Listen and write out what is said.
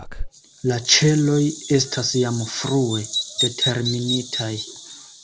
La ĉeloj estas jam frue determinitaj.